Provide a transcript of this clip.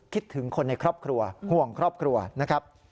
คิดถึงคนในครอบครัวห่วงครอบครัวนะครับ